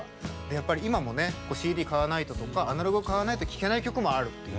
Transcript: やっぱり今もねＣＤ買わないととかアナログを買わないと聴けない曲もあるっていう。